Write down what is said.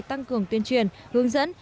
tăng cường tuyên truyền hướng dẫn